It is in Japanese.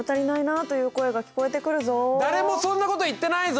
誰もそんなこと言ってないぞ。